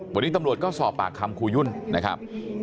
วันนี้ตำรวจก็สอบปากคำครูยุ่นนะครับ